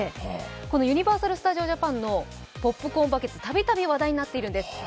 このユニバーサル・スタジオ・ジャパンのポップコーンバケツ、たびたび話題になっているんです。